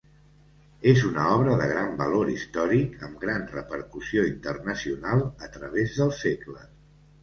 És una obra de gran valor històric amb gran repercussió internacional a través dels segles.